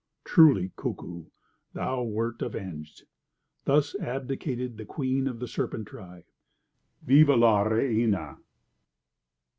Truly, Kuku, thou went avenged. Thus abdicated the Queen of the Serpent Tribe—_viva la reina!